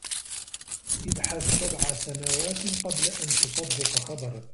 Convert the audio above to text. إبحث سبع سنوات قبل أن تصدق خبراً.